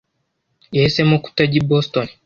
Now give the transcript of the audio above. yahisemo kutajya i Boston.